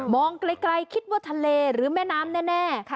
ไกลคิดว่าทะเลหรือแม่น้ำแน่